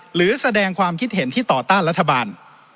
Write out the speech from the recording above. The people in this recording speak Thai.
หรือแสดงความคิดเห็นที่ต่อต้านรัฐบาล